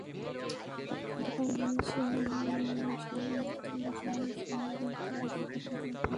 গতকাল সিআর মামলায় আসামি ইমতাজুল ইসলামের বিরুদ্ধে অভিযোগ গঠন করা হয়।